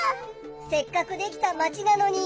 せっかくできたマチなのに。